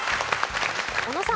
小野さん。